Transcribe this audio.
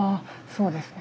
そうですね。